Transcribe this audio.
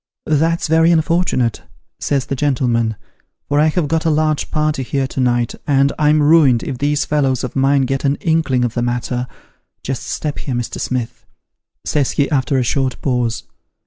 * That's very unfort'nate,' says the gentleman, ' for I have got a large party here to night, and I'm ruined if these fellows of mine get an inkling of the matter just step here, Mr. Smith,' says he, after a short pause.